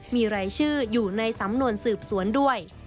มีรายชื่ออยู่ในสำนวนสืบสวนด้วย